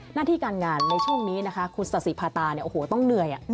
หน้าที่การงานในช่วงนี้นะคะคุณสาธิภาตาเนี่ยโอ้โหต้องเหนื่อย